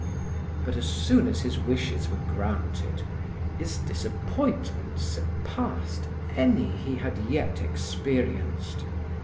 But as soon as his wishes were granted, his disappointment surpassed any he had yet experienced.